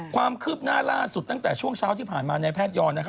ความคืบหน้าล่าสุดตั้งแต่ช่วงเช้าที่ผ่านมาในแพทยอน